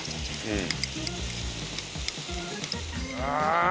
うん。